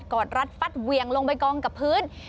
อดรัดฟัดเวียงลงไปกองกับพื้น